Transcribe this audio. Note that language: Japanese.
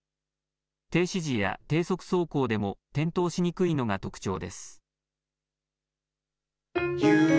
停止時や低速走行でも転倒しにくいのが特徴です。